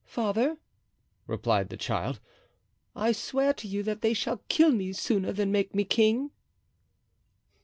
"Father," replied the child, "I swear to you that they shall kill me sooner than make me king."